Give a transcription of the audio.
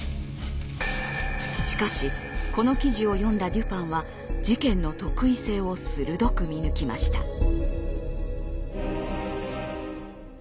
しかしこの記事を読んだデュパンは事件の特異性を鋭く見抜きました。